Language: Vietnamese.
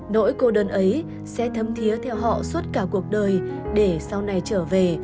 nỗi cô đơn ấy sẽ thấm thiế theo họ suốt cả cuộc đời để sau này trở về